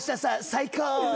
最高。